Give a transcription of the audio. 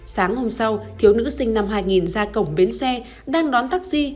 sáng hôm sau thiếu nữ sinh năm hai nghìn ra cổng bến xe đang đón taxi